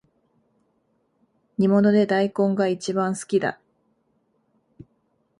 煮物で大根がいちばん好きだ